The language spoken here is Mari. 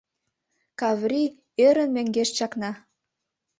Каврий, ӧрын, мӧҥгеш чакна.